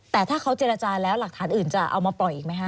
แต่ถ้าเขาเจรจาแล้วหลักฐานอื่นจะเอามาปล่อยอีกไหมคะ